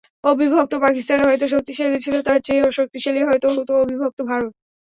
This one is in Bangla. অবিভক্ত পাকিস্তান হয়তো শক্তিশালী ছিল, তার চেয়েও শক্তিশালী হয়তো হতো অবিভক্ত ভারত।